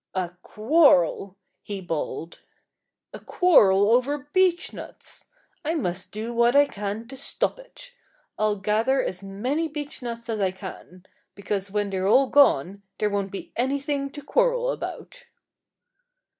"A quarrel!" he bawled. "A quarrel over beechnuts! I must do what I can to stop it. I'll gather as many beechnuts as I can; because when they're all gone there won't be anything to quarrel about."